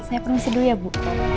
saya penuhi dulu ya bu